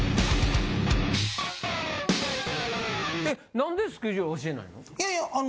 なんでスケジュール教えないの？